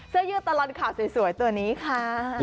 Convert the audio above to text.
เสื้อยืดตลอดข่าวสวยตัวนี้ค่ะ